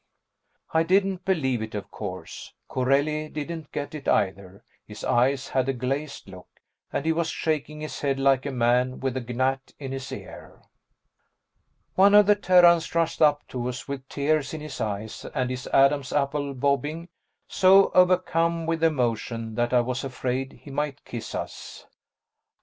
I didn't believe it, of course. Corelli didn't get it, either; his eyes had a glazed look, and he was shaking his head like a man with a gnat in his ear. One of the Terrans rushed up to us with tears in his eyes and his Adam's apple bobbing, so overcome with emotion that I was afraid he might kiss us.